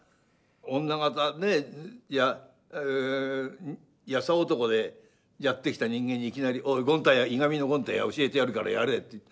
女方で優男でやってきた人間にいきなり「おい『いがみの権太』教えてやるからやれ」って。